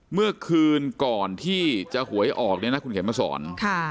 เมื่อคืนก่อนที่จะหวยออกเนี่ยนะคุณเข็มมาสอน